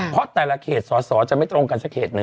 เพราะแต่ละเขตสอสอจะไม่ตรงกันสักเขตหนึ่ง